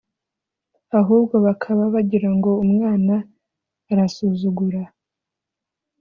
ahubwo bakaba bagira ngo umwana arasuzugura